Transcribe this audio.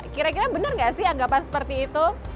kira kira benar nggak sih anggapan seperti itu